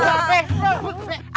bagi gini mbak jengot